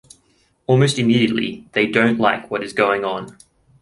Almost immediately, they don't like what is going on.